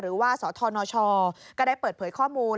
หรือว่าสธนชก็ได้เปิดเผยข้อมูล